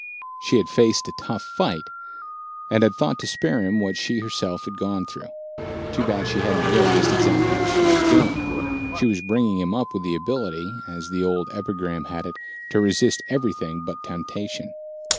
She had faced a tough fight, and had thought to spare him what she herself had gone through. Too bad she hadn't realized exactly what she was doing. She was bringing him up with the ability, as the old epigram had it, to resist everything but temptation.